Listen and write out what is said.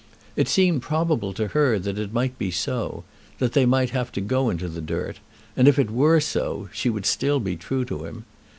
It seemed probable to her that it might be so, that they might have to go into the dirt; and if it were so, she would still be true to him.